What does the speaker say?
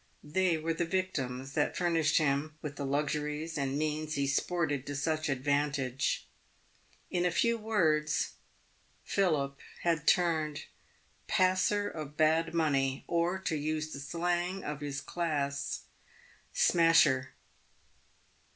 They were the victims that fur nished him with the luxuries and means he sported to such advantage. In a few words, Philip had turned passer of bad money, or, to use the slang of his class, " smasher."